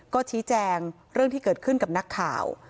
ก็ชี้แจงเรื่องที่เกิดขึ้นกับนักข่าว